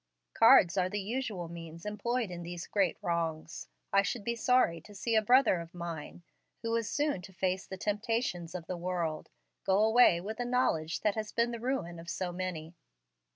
Cards are the usual means employed in these great wrongs. I should be sorry to see a young brother of mine, who was soon to face the temptations of the world, go away with a knowledge that has been the ruin of so many."